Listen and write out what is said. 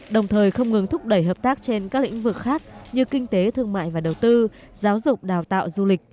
đồng thời không ngừng thúc đẩy hợp tác trên các lĩnh vực khác như kinh tế thương mại và đầu tư giáo dục đào tạo du lịch